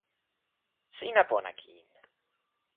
sina pona kin.